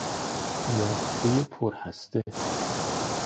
یاخته پرهسته